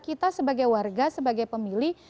kita sebagai warga sebagai pemilih